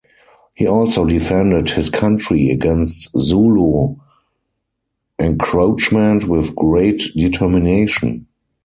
He also defended his country against Zulu encroachment with great determination.